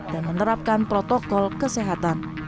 dan menerapkan protokol kesehatan